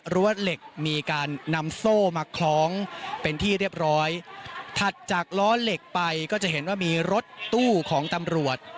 เหล็กมีการนำโซ่มาคล้องเป็นที่เรียบร้อยถัดจากล้อเหล็กไปก็จะเห็นว่ามีรถตู้ของตำรวจ